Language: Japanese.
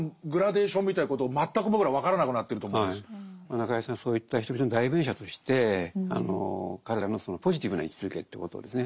中井さんはそういった人々の代弁者として彼らのそのポジティブな位置づけということをですね